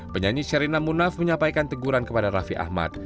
penyanyi sherina munaf menyampaikan teguran kepada raffi ahmad